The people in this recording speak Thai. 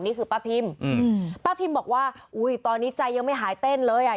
นี่คือป้าพิมอืมป้าพิมบอกว่าอุ้ยตอนนี้ใจยังไม่หายเต้นเลยอ่ะ